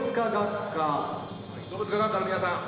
「動物科学科の皆さん